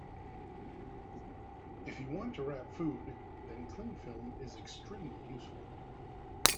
If you want to wrap food, then clingfilm is extremely useful